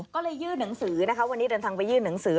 ก็เลยยื่นหนังสือนะคะวันนี้เดินทางไปยื่นหนังสือ